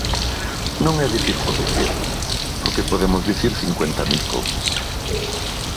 Non é dicir por dicir, porque podemos dicir cincuenta mil cousas.